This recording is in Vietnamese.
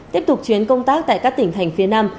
tiếp tục chuyến công tác tại các tỉnh thành phía nam